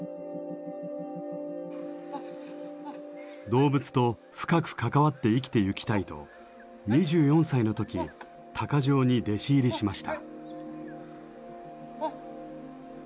動物と深く関わって生きてゆきたいと２４歳の時鷹匠に弟子入りしました。